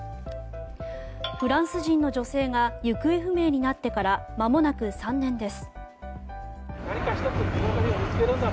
フランス人の女性が行方不明になってからまもなく３年です。